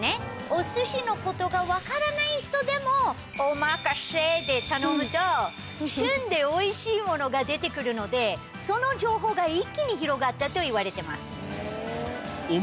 おすしのことが分からない人でもＯＭＡＫＡＳＥで頼むと旬でおいしいものが出てくるのでその情報が一気に広がったといわれてます。